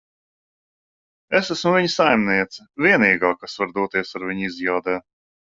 Es esmu viņa saimniece. Vienīgā, kas var doties ar viņu izjādē.